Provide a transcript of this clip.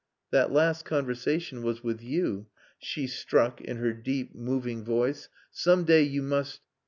"That last conversation was with you," she struck in her deep, moving voice. "Some day you must...."